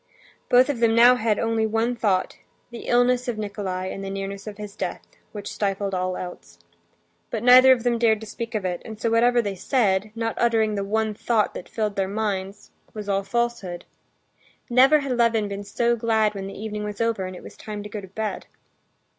Both of them now had only one thought—the illness of Nikolay and the nearness of his death—which stifled all else. But neither of them dared to speak of it, and so whatever they said—not uttering the one thought that filled their minds—was all falsehood. Never had Levin been so glad when the evening was over and it was time to go to bed.